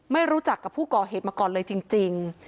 ไม่รู้จักกับผู้ก่อเหตุมาก่อนเลยจริง